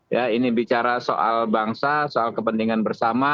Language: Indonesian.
ya ini bicara soal bangsa soal kepentingan bersama